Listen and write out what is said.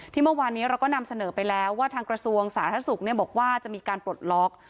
เมื่อวานนี้เราก็นำเสนอไปแล้วว่าทางกระทรวงสาธารณสุขบอกว่าจะมีการปลดล็อก